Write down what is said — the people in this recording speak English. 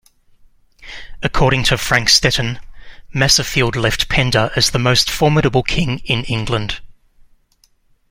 According to Frank Stenton, Maserfield left Penda as the most formidable king in England.